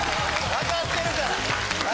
わかってるから。